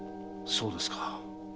そうですか。